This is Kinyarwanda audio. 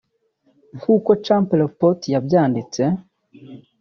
nk’uko Chimpreports yabyanditse